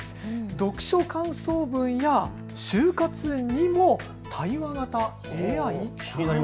読書感想文や就活にも就活にもＡＩ？